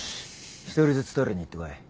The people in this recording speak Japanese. １人ずつトイレに行ってこい。